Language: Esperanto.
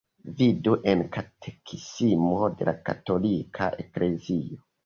Vidu en Katekismo de la Katolika Eklezio.